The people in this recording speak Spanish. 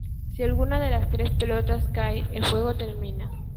Si alguna de las tres pelotas cae, el juego termina.